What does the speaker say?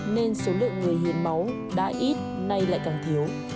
nên số lượng người hiến máu đã ít nay lại càng thiếu